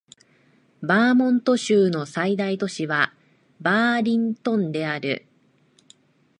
バーモント州の最大都市はバーリントンである